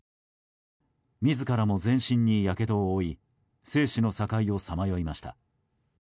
自らも全身にやけどを負い生死の境をさまよいました。